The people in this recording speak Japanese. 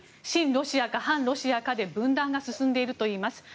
親ロシアか反ロシアかで分断が進んでいるといいます。